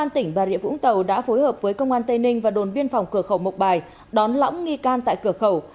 tỉnh bà rịa vũng tàu đã phối hợp với công an tây ninh và đồn biên phòng cửa khẩu mộc bài đón lõng nghi can tại cửa khẩu